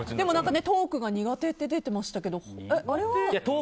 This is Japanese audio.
トークが苦手って出てましたけど、あれは？